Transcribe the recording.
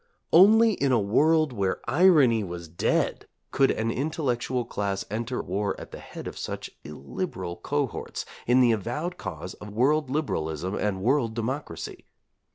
Only in a world where irony was dead could an intellectual class enter war at the head of such illiberal cohorts in the avowed cause of world liberalism and world democracy.